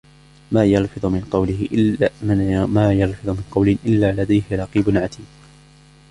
مَا يَلْفِظُ مِنْ قَوْلٍ إِلَّا لَدَيْهِ رَقِيبٌ عَتِيدٌ